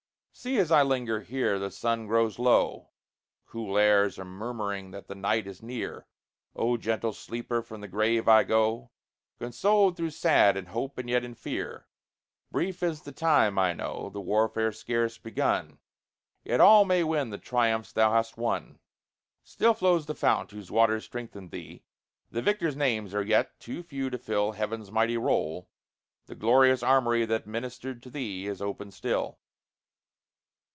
See, as I linger here, the sun grows low; Cool airs are murmuring that the night is near. O gentle sleeper, from the grave I go, Consoled though sad, in hope and yet in fear. Brief is the time, I know, The warfare scarce begun; Yet all may win the triumphs thou hast won. Still flows the fount whose waters strengthened thee; The victors' names are yet too few to fill Heaven's mighty roll; the glorious armory That ministered to thee, is open still.